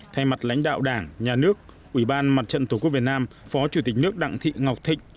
thay mặt lãnh đạo đảng nhà nước ủy ban mặt trận tổ quốc việt nam phó chủ tịch nước đặng thị ngọc thịnh